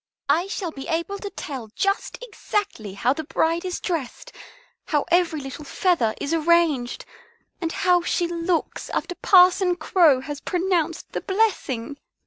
I shall be able to tell just exactly how the bride is dressed, how every little feather is arranged, and how she looks after Parson Crow has pronounced the blessing.